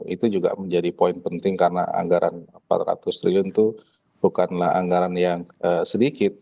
itu juga menjadi poin penting karena anggaran empat ratus triliun itu bukanlah anggaran yang sedikit